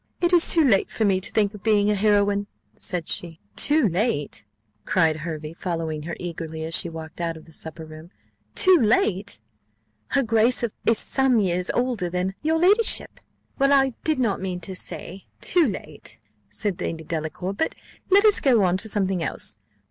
"It is too late for me to think of being a heroine," said she. "Too late?" cried Hervey, following her eagerly as she walked out of the supper room; "too late? Her grace of is some years older than your ladyship." "Well, I did not mean to say too late," said Lady Delacour; "but let us go on to something else.